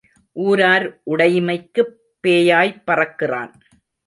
ஊரார் உடைமைக்குப் பேயாய்ப் பறக்கிறான்.